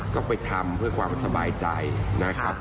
ก็ไปทำเพื่อความสบายใจนะครับ